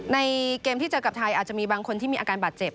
ในเกมที่เจอกับไทยอาจจะมีบางคนที่มีอาการบาดเจ็บ